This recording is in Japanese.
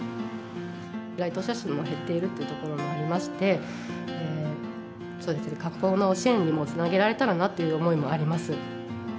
来島者数も減っているというところもありまして、観光の支援にもつなげられたらなという思いもあります。